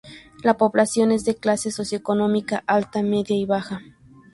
La población es de clase socioeconómica alta, media y baja.